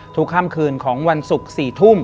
ค่ำคืนของวันศุกร์๔ทุ่ม